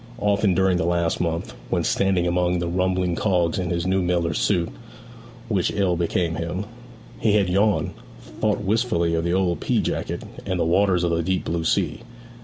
Often during the last month, when standing among the rumbling cogs in his new miller's suit, which ill became him, he had yawned, thought wistfully of the old pea jacket, and the waters of the deep blue sea.